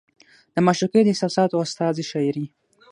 د معشوقې د احساساتو استازې شاعري